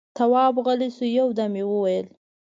تواب غلی شو، يودم يې وويل: